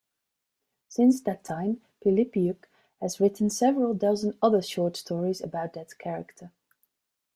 Since that time, Pilipiuk has written several dozen other short stories about that character.